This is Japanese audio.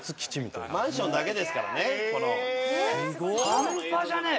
半端じゃねぇ。